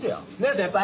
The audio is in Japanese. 先輩。